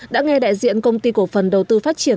đã nghe đại diện công ty cổ phần đầu tư phát triển